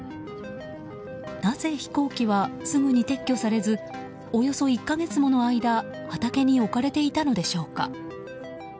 なぜ飛行機はすぐに撤去されずおよそ１か月もの間畑に置かれていたのでしょうか。